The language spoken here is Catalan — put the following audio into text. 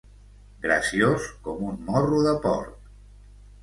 Graciós com un morro de porc.